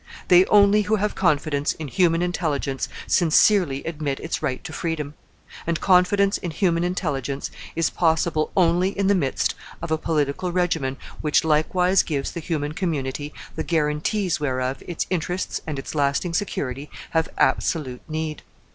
They only who have confidence in human intelligence sincerely admit its right to freedom; and confidence in human intelligence is possible only in the midst of a political regimen which likewise gives the human community the guarantees whereof its interests and its lasting security have absolute need.